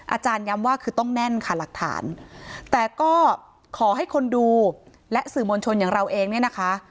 ย้ำว่าคือต้องแน่นค่ะหลักฐานแต่ก็ขอให้คนดูและสื่อมวลชนอย่างเราเองเนี่ยนะคะ